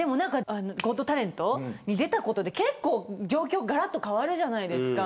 ゴット・タレントに出たことで状況が、がらっと変わるじゃないですか。